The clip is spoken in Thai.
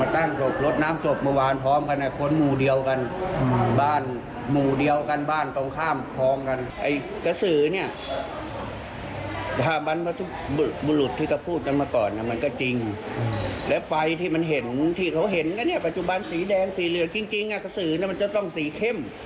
ที่เขาเห็นปัจจุบันสีแดงสีเหลือจริงกระสือมันจะต้องสีเข้ม